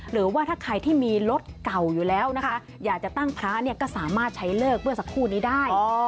หรือว่าถ้าใครที่มีรถเก่าอยู่แล้วนะคะอยากจะตั้งพระเนี่ยก็สามารถใช้เลิกเมื่อสักครู่นี้ได้